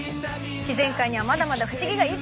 自然界にはまだまだ不思議がいっぱい！